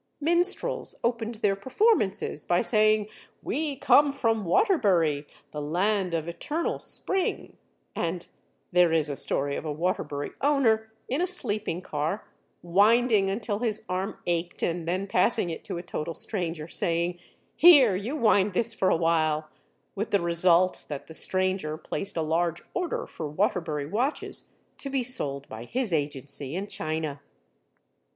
Minstrels opened their performances by saying, "We come from Waterbury, the land of eternal spring"; and there is a story of a Waterbury owner in a sleeping car, winding until his arm ached and then passing it to a total stranger, saying, "Here, you wind this for a while," with the result that the stranger placed a large order for Waterbury watches to be sold by his agency in China.